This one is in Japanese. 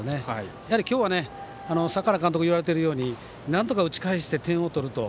やはり今日は坂原監督言われているようになんとか打ち返して点を取ると。